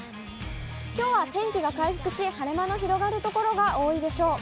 きょうは天気が回復し、晴れ間の広がる所が多いでしょう。